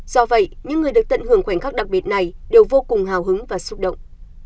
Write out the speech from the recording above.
do vậy những người được tận hưởng khoảnh khắc đặc biệt này đều vô cùng hào hứng và xúc động